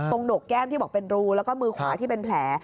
หนกแก้มที่บอกเป็นรูแล้วก็มือขวาที่เป็นแผล